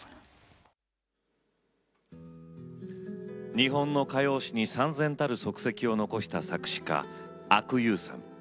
日本の歌謡史にさん然たる足跡を残した作詞家・阿久悠さん。